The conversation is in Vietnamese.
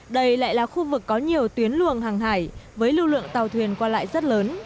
đây lại là khu vực có nhiều tuyến luồng hàng hải với lưu lượng tàu thuyền qua lại rất lớn